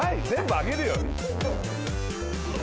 全部挙げるよ。